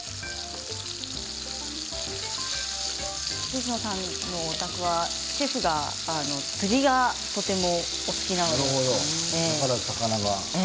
藤野さんのお宅はシェフが釣りがお好きなんですよね。